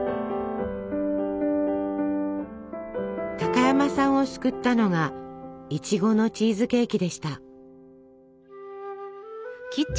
高山さんを救ったのがいちごのチーズケーキでした。